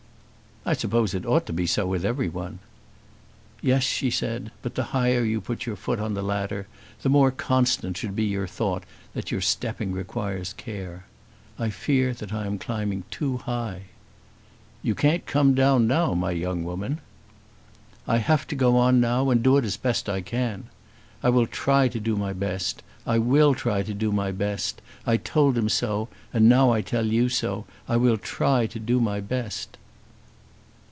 "I suppose it ought to be so with everyone." "Yes," she said, "but the higher you put your foot on the ladder the more constant should be your thought that your stepping requires care. I fear that I am climbing too high." "You can't come down now, my young woman." "I have to go on now, and do it as best I can. I will try to do my best. I will try to do my best. I told him so, and now I tell you so. I will try to do my best."